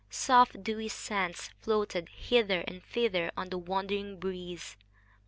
Soft dewy scents floated hither and thither on the wandering breeze.